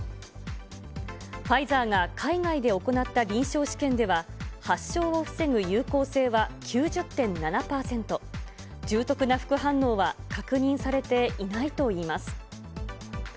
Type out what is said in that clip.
ファイザーが海外で行った臨床試験では、発症を防ぐ有効性は９０．７％、重篤な副反応は確認されていないといいます。